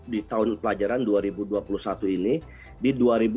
di tahun kepelajaran dua ribu dua puluh satu ini di dua lima ratus